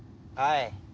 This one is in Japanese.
はい。